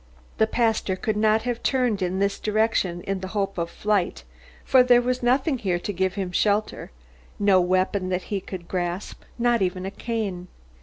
The pastor could not have turned in this direction in the hope of flight, for there was nothing here to give him shelter, no weapon that he could grasp, not even a cane.